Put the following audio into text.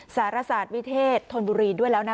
สารศาสตร์วิเทศธนบุรีด้วยแล้วนะ